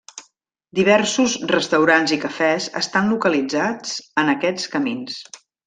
Diversos restaurants i cafès estan localitzats en aquests camins.